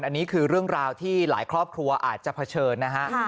อันนี้คือเรื่องราวที่หลายครอบครัวอาจจะเผชิญนะฮะ